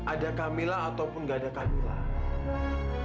ada kamila ataupun gak ada kamila